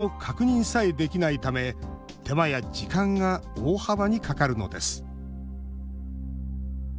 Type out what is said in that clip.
情報の確認さえできないため手間や時間が大幅にかかるのです。